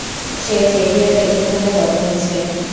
সে Xavier এতিমখানায় বড় হয়েছে।